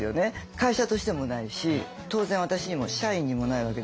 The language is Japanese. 会社としてもないし当然私にも社員にもないわけですよ。